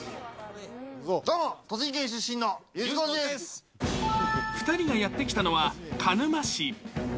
どうも、栃木県出身のＵ字工２人がやって来たのは、鹿沼市。